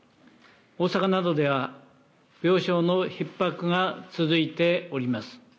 大阪などでは、病床のひっ迫が続いております。